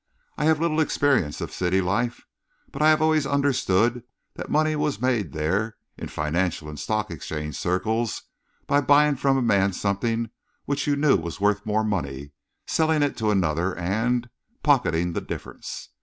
I have little experience of city life, but I have always understood that money was made there, in financial and Stock Exchange circles, by buying from a man something which you knew was worth more money, selling it to another and er pocketing the difference.